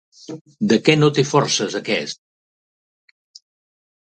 De què no té forces, aquest?